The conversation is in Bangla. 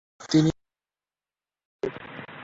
তিনি মোট সাত বছর কারাগারে কাটিয়েছেন।